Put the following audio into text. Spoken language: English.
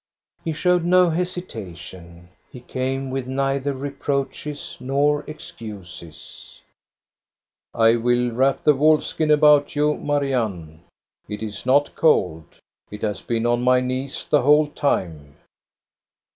He showed no hesitation. He came with neither reproaches nor excuses. " I will wrap the wolfskin about you, Marianne ; it is not cold. It has been on my knees the whole time."